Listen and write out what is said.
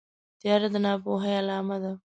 تیاره د ناپوهۍ علامه ده.